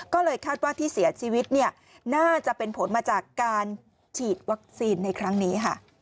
ก็เลยคาดว่าที่เสียชีวิตน่าจะเป็นผลมาจากการฉีดวัคซีนในครั้งนี้